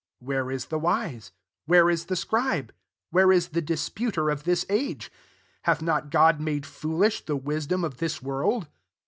20 ^here is the wise ? where ia \e scribe? where «« the dis uter of this age ? hath not God lade foolish the wisdom of thi9^ world?